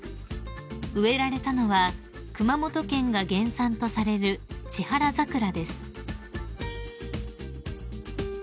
［植えられたのは熊本県が原産とされるチハラザクラです］